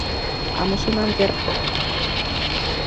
А мусульман вераш пураш огыда шоно?